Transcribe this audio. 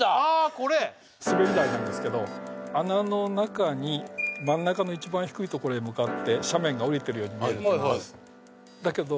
これすべり台なんですけど穴の中に真ん中の一番低いところへ向かって斜面が下りてるように見えると思いますだけどっていう錯覚が起こるはずなんですけど